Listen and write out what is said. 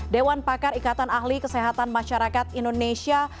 dewan pakar ikatan ahli kesehatan masyarakat indonesia